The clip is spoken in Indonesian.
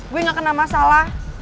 gue nggak kena masalah